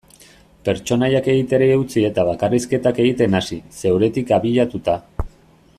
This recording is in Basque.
Pertsonaiak egiteari utzi eta bakarrizketak egiten hasi, zeuretik abiatuta.